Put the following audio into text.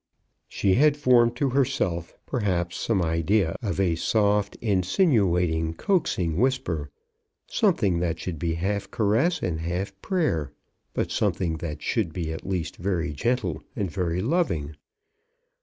She had formed to herself, perhaps, some idea of a soft, insinuating, coaxing whisper, something that should be half caress and half prayer, but something that should at least be very gentle and very loving.